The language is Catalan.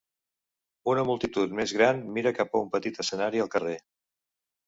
Una multitud més gran mira cap a un petit escenari al carrer.